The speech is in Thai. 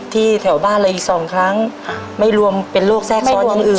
แถวบ้านเลยอีกสองครั้งไม่รวมเป็นโรคแทรกซ้อนอย่างอื่น